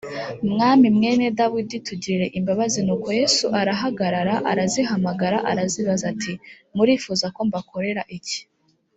mwami mwene dawidi tugirire imbabazi nuko yesu arahagarara arazihamagara arazibaza ati: murifuza ko mbakorera iki